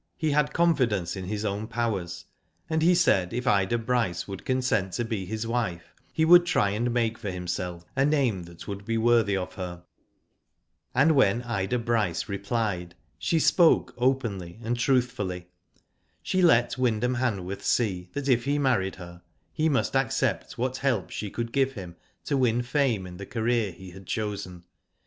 He had confidence in his own powers, and he said if Ida Bryce would consent to be his wife he would try and make for himself a name that would be worthy of her. And when Ida Bryce replied she spoke openly and truthfully. She let Wyndham Hanworth see that if he married her, he must accept what help she could give him to win fame in the career he had chosen.